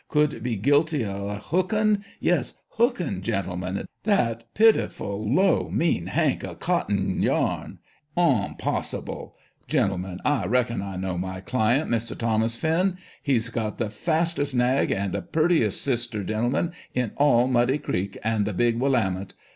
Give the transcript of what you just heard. could be guilty o" hookin' — yes, hookin', gentlemen — that pitiful low, mean, hank o' cotting yarn ? Onpossible Gentlemen, I reckon 1 know my client, Mr. Tho mas Flinn. He's got the fastest nag, and the purtiest sister, gentlemen, in all Muddy Creek and the Big Willamette